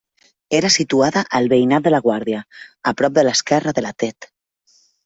Era situada al veïnat de la Guàrdia, a prop a l'esquerra de la Tet.